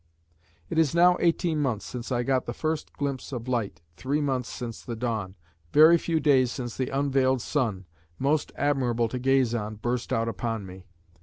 It is now eighteen months since I got the first glimpse of light, three months since the dawn, very few days since the unveiled sun, most admirable to gaze on, burst out upon me.